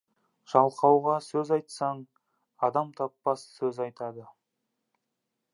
Жалқауға сөз айтсаң, адам таппас сөз айтады.